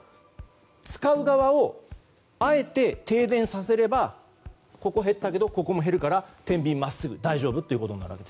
使う側をあえて停電させればここは減ったけどここも減るから天秤は真っすぐ大丈夫ということです。